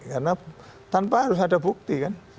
karena tanpa harus ada bukti kan